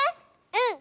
うん！